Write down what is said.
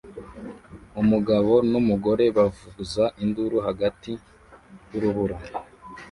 Umugabo n'umugore bavuza induru hagati y'urubura